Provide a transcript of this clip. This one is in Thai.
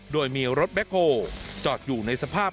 โดยมีรถแบ็คโฮลจอดอยู่ในสภาพ